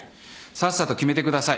さっさと決めてください。